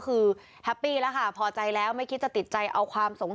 ก็ของหายได้คืนค่ะเธอก็บอกว่าไม่มีอะไรน่าดีใจกว่านี้ละ